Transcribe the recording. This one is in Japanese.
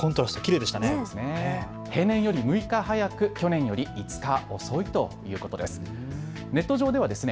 平年より６日早く、去年より５日遅いということです。